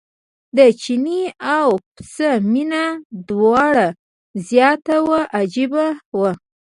د چیني او پسه مینه دومره زیاته وه عجیبه وه.